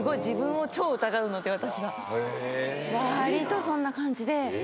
わりとそんな感じで。